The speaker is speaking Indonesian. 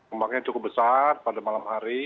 kembangnya cukup besar pada malam hari